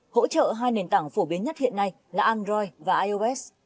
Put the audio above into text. hỗ trợ hai nền tảng phổ biến nhất hiện nay là android và ios